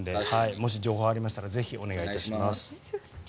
もし情報がありましたらぜひお願いします。